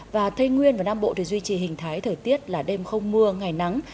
và tây nguyên và nam bộ thì duy trì hình thái thời tiết là đêm không mưa ngày nắng